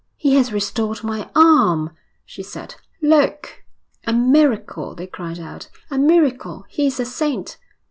'He has restored my arm,' she said. 'Look!' 'A miracle!' they cried out. 'A miracle! He is a saint!'